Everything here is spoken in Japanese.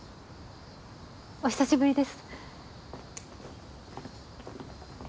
お久しぶりです。